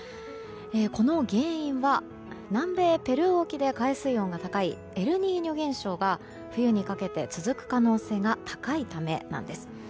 この原因は南米ペルー沖で海水温が高いエルニーニョ現象が冬にかけて続く可能性が高いためなんです。